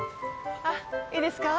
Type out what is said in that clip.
あっいいですか？